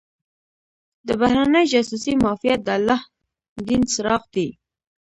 د بهرنۍ جاسوسۍ معافیت د الله دین چراغ دی.